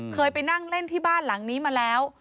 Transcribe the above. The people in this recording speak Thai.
เคยไปนั่งเล่นที่บ้านหลังนี้มาแล้ว